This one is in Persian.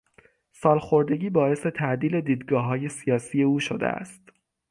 سالخوردگی باعث تعدیل دیدگاههای سیاسی او شده است.